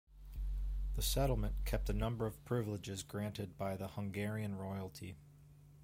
The settlement kept a number of privileges granted by the Hungarian royalty.